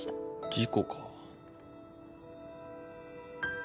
事故か。